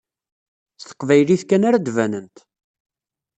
S teqbaylit kan ara ad banent.